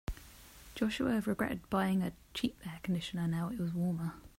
Joshua regretted buying a cheap air conditioner now that it was warmer.